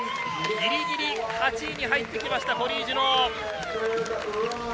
ギリギリ８位に入ってきました、コリー・ジュノー。